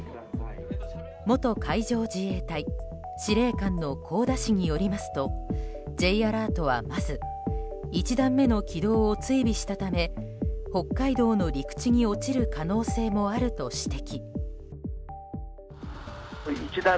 元海上自衛隊司令官の香田氏によりますとＪアラートは、まず１段目の軌道を追尾したため北海道の陸地に落ちる可能性もあると指摘。